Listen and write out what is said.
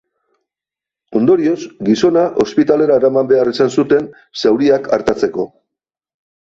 Ondorioz, gizona ospitalera eraman behar izan zuten, zauriak artatzeko.